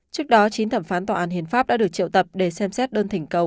trước đó chín thẩm phán tòa án hiến pháp đã được triệu tập để xem xét đơn thành cầu